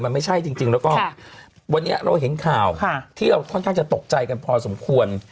มันไม่ใช่จริงแล้วก็วันนี้เราเห็นข่าวที่เราค่อนข้างจะตกใจกันพอสมควร